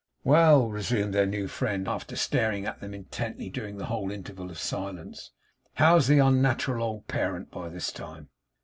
'Well!' resumed their new friend, after staring at them intently during the whole interval of silence; 'how's the unnat'ral old parent by this time?